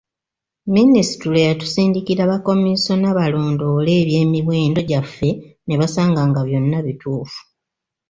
Minisitule yatusindikira bakomiisona balondoole eby’emiwendo gyaffe ne basanga nga byonna bituufu.